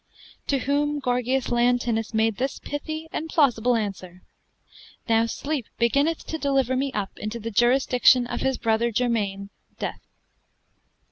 To whom Gorgias Leontinus made this pithy and plausible answeer, "Now Sleep beginneth to deliver me up into the jurisdiction of his brother germane, Death."